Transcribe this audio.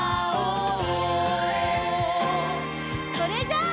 それじゃあ。